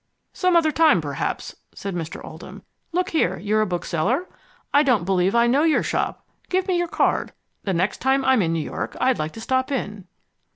"Some other time, perhaps," said Mr. Oldham. "Look here, you're a bookseller? I don't believe I know your shop. Give me your card. The next time I'm in New York I'd like to stop in."